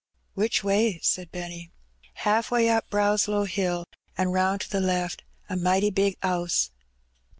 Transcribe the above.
"Which way?" said Benny. "Haaf way up Brownlow Hill, an' roun' to the left; a mighty big 'ouse."